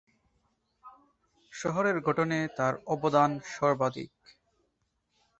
শহরের গঠনে তার অবদান সর্বাধিক।